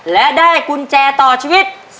และได้กุญแจต่อชีวิต